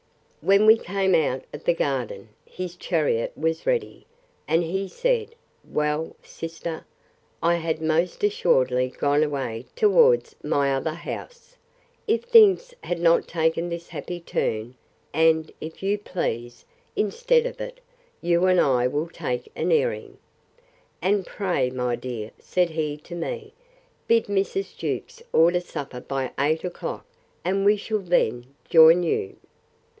When we came out of the garden, his chariot was ready; and he said, Well, sister, I had most assuredly gone away towards my other house, if things had not taken this happy turn; and, if you please, instead of it, you and I will take an airing: And pray, my dear, said he to me, bid Mrs. Jewkes order supper by eight o'clock, and we shall then join you.